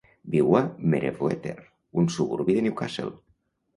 Viu a Merewether, un suburbi de Newcastle.